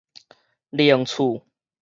凌厝